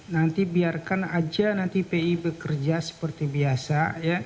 nanti biarkan aja nanti pi bekerja seperti biasa